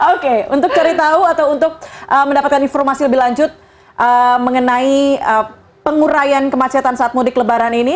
oke untuk cari tahu atau untuk mendapatkan informasi lebih lanjut mengenai pengurayan kemacetan saat mudik lebaran ini